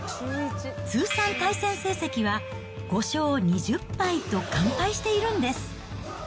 通算対戦成績は５勝２０敗と完敗しているんです。